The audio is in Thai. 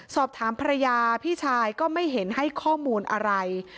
สอบถามภรรยาพี่ชายก็ไม่เห็นให้ข้อมูลอะไร